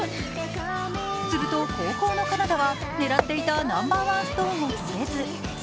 すると後攻のカナダは狙っていたナンバーワンストーンを取れず。